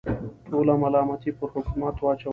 ټوله ملامتي پر حکومت اچوله.